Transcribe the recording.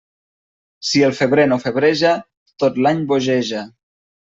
Si el febrer no febreja, tot l'any bogeja.